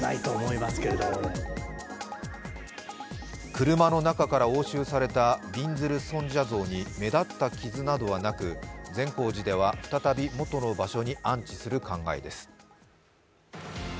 車の中から押収されたびんずる尊者像に目立った傷などはなく、善光寺では、再び元の場所に安置する考えです。